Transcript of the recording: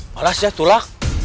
malas ya tulang